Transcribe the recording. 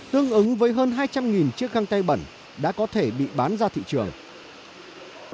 tương ứng với hơn hai trăm linh chiếc găng tay bẩn đã có thể bị bán ra thị trường